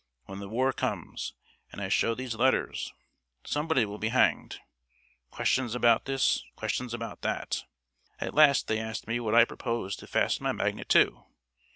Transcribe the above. When the war comes, and I show those letters, somebody will be hanged. Questions about this questions about that. At last they asked me what I proposed to fasten my magnet to.